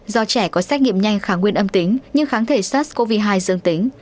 do trẻ có xét nghiệm nhanh kháng nguyên âm tính nhưng kháng thể sars cov hai dương tính